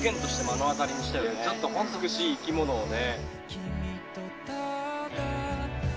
ちょっと本当、美しい生き物をね。